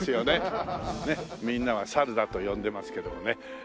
ねっみんなはサルだと呼んでますけどもね。